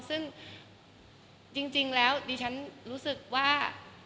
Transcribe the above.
ซึ่งจริงแล้วดิฉันรู้สึกว่า